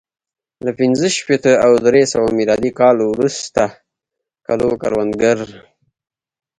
له پنځه شپېته او درې سوه میلادي کال وروسته کلو کروندګرو